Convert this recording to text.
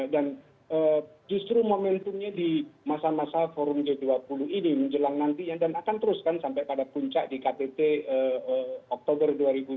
dan justru momentumnya di masa masa forum g dua puluh ini menjelang nantinya dan akan teruskan sampai pada puncak di ktt oktober dua ribu dua puluh dua